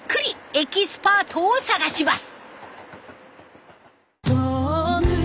エキスパート」を探します。